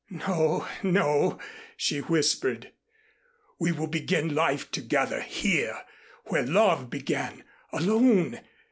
"No, no," she whispered. "We will begin life together here where love began alone.